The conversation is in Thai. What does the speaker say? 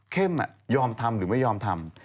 เข้มอ่ะยอมทำหรือไม่ยอมทำ